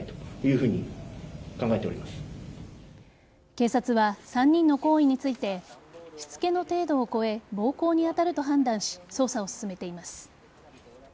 警察は３人の行為についてしつけの程度を超え暴行に当たると判断し捜査を進めています。